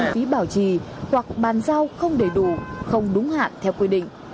phí bảo trì hoặc bàn giao không đầy đủ không đúng hạn theo quy định